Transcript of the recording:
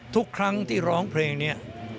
ทุกครั้งที่ร้องเพลงนี้